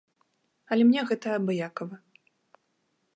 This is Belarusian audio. Але мне гэта абыякава.